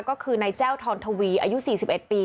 ก็คือไนเจ้าทอนทวีอายุ๔๑ปี